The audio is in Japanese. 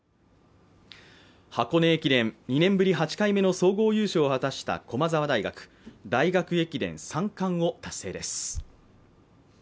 箱根駅伝、２年ぶり８回目の総合優勝を果たした駒澤大学、大学駅伝３冠を達成です。